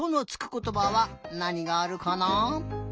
ことばはなにがあるかな？